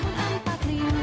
dalam lomba adu dorong bambu